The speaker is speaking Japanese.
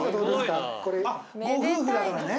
あっご夫婦だからね。